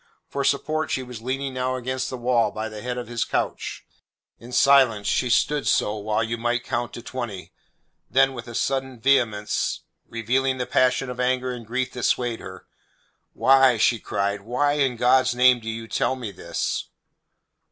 For support she was leaning now against the wall by the head of his couch. In silence she stood so while you might count to twenty; then with a sudden vehemence revealing the passion of anger and grief that swayed her: "Why," she cried, "why in God's name do you tell me this?"